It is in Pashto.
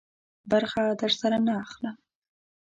برخه درسره نه اخلم.